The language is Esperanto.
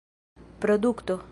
produkto